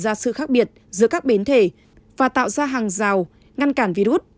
và tạo ra sự khác biệt giữa các biến thể và tạo ra hàng rào ngăn cản virus